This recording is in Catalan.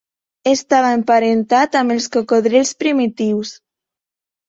Estava emparentat amb els cocodrils primitius.